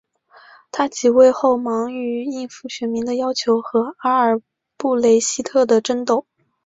他即位后忙于应付选民的要求和阿尔布雷希特的争斗。